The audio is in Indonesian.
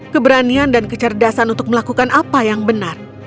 keberanian dan kecerdasan untuk melakukan apa yang benar